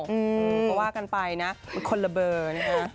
เรื่องวายกันไปเนอะมันคนละเบอร์นะครับ